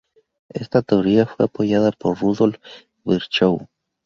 Esta teoría fue apoyada por Rudolf Virchow.